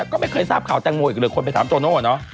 ก็ไม่เคยทราบข่าวแตงโมอีกเลยคนไปถามโตโน่เนอะ